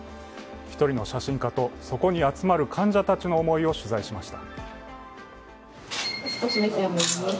１人の写真家とそこに集まる患者たちの思いを取材しました。